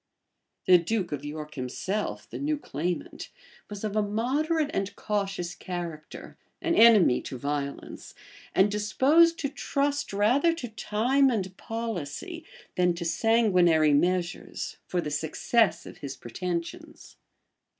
The duke of York himself, the new claimant, was of a moderate and cautious character, an enemy to violence and disposed to trust rather to time and policy, than to sanguinary measures, for the success of his pretensions.